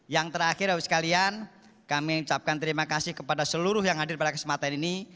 yang terakhir bapak sekalian kami ucapkan terima kasih kepada seluruh yang hadir pada kesempatan ini